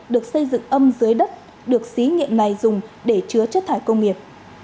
được xây dựng âm dưới đất được xí nghiệp này dùng để chứa chất thải công nghiệp